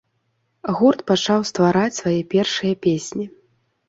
Гурт пачаў ствараць свае першыя песні.